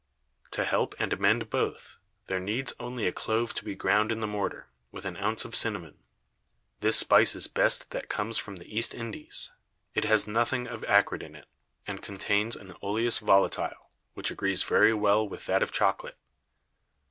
To help and amend both, there needs only a Clove to be ground in the Mortar, with an Ounce of Cinnamon. This Spice is best that comes from the East Indies, it has nothing of Acrid in it, and contains an oleous Volatile, which agrees very well with that of Chocolate.